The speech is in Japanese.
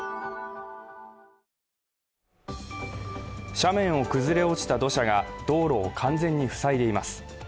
斜面を崩れ落ちた土砂が道路を完全に塞いでいます。